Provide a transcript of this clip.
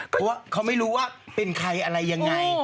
เพราะว่าเขาไม่รู้ว่าเป็นใครอะไรยังไง